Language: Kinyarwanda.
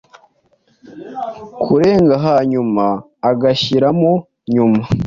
Kurengahanyuma agashyiramo nyuma